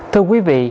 thưa quý vị